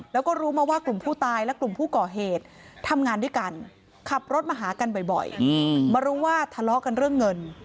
แล้วก็รู้มาว่ากลุ่มผู้ตายและกลุ่มผู้ก่อเหตุทำงานด้วยกันขับรถมาหากันบ่อยมารู้ว่าทะเลาะกันเรื่องเงิน